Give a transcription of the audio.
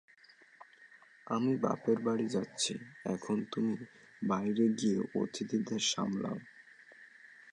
আমি বাপের বাড়ি যাচ্ছি এখন তুমি বাইরে গিয়ে অতিথিদের সামলাও।